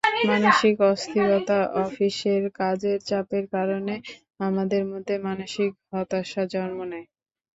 মানসিক অস্থিরতা, অফিসের কাজের চাপের কারণে আমাদের মধ্যে মানসিক হতাশা জন্ম নেয়।